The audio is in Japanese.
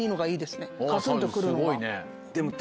すごいね。